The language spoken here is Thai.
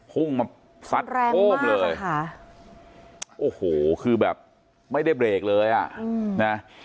พุ่งมาซัดแรงโค้มเลยค่ะโอ้โหคือแบบไม่ได้เบรกเลยอ่ะนะ